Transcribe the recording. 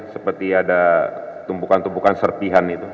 seperti ada tumpukan tumpukan serpihan itu